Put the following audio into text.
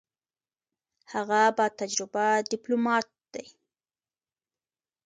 هغه با تجربه ډیپلوماټ دی.